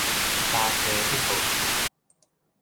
礁坑一號橋